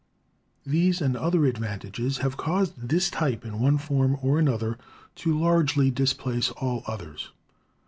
These and other advantages have caused this type in one form or another to largely displace all others.